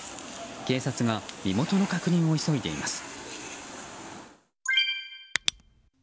警察が身元の確認を急いでいます。